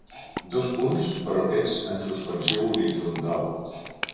Dos punts, però aquests en suspensió horitzontal.